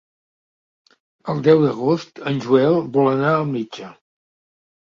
El deu d'agost en Joel vol anar al metge.